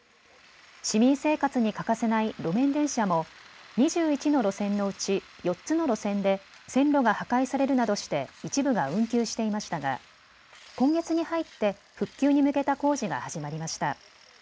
市民生活に欠かせない路面電車も２１の路線のうち４つの路線で線路が破壊されるなどして一部が運休していましたが今月に入って復旧に向けた工事が始まりました。